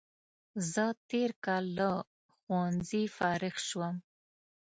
زه تېر کال له ښوونځي فارغ شوم